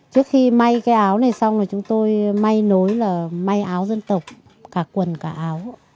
trước khi may cái áo này xong rồi chúng tôi may nối là may áo dân tộc cả quần cả áo